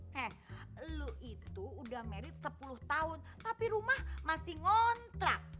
heh lo itu udah married sepuluh tahun tapi rumah masih ngontrak